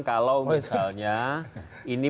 kalau misalnya ini